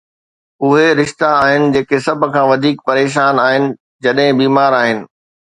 اهي رشتا آهن جيڪي سڀ کان وڌيڪ پريشان آهن جڏهن بيمار آهن